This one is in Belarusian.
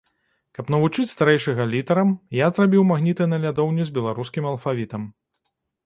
Каб навучыць старэйшага літарам, я зрабіў магніты на лядоўню з беларускім алфавітам.